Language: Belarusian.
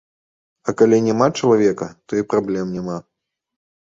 А калі няма чалавека, то і праблем няма.